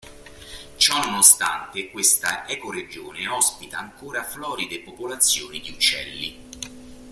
Ciononostante, questa ecoregione ospita ancora floride popolazioni di uccelli.